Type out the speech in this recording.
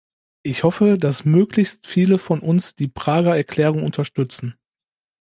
Ich hoffe, dass möglichst viele von uns die Prager Erklärung unterstützen.